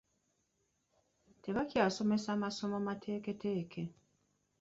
Tebakyasomesa masomo mateeketeeke.